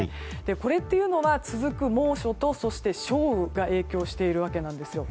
これっていうのは続く猛暑と、そして少雨が影響しているわけです。